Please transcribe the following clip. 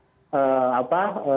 dampak yang lebih luas terhadap hutan